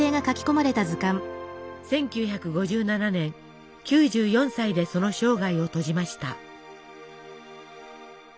１９５７年９４歳でその生涯を閉じました。